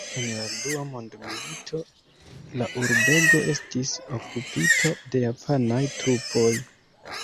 En la dua mondmilito la urbego estis okupita de japanaj trupoj.